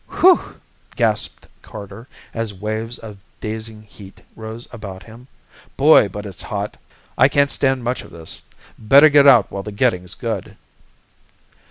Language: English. "Whew!" gasped Carter as waves of dazing heat rose about him. "Boy, but it's hot! I can't stand much of this. Better get out while the getting's good."